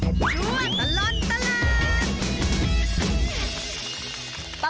ช่วยตลอดตลาด